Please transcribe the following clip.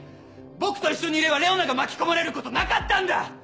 僕と一緒にいればレオナが巻き込まれることなかったんだ！